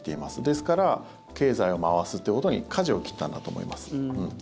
ですから経済を回すということにかじを切ったんだと思います。